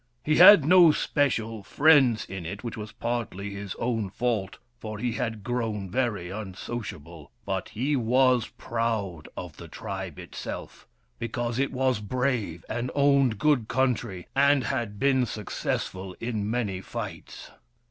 He had no special friends in it, which was partly his own fault, for he had grown very unsociable, but he was proud of the tribe itself, because it was brave and owned good country, and had been successful in many fights.